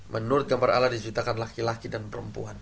menurut gambar allah diciptakan laki laki dan perempuan